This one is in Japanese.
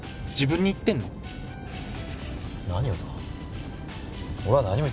自分に言ってんの？何をだ？